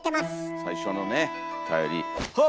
最初のねおたよりほっ。